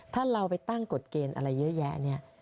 ถ้าเราไปตั้งกฎเกณฑ์อะไรเยอะแยะเนี่ย